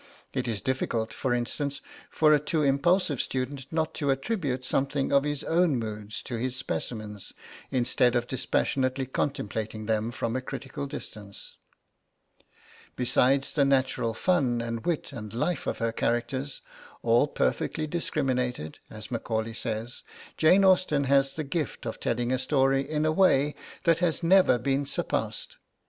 It is difficult, for instance, for a too impulsive student not to attribute something of his own moods to his specimens instead of dispassionately contemplating them from a critical distance. Besides the natural fun and wit and life of her characters, 'all perfectly discriminated,' as Macaulay says, Jane Austen has the gift of telling a story in a way that has never been surpassed.